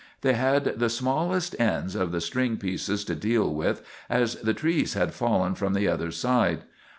They had the smallest ends of the string pieces to deal with, as the trees had fallen from the other side.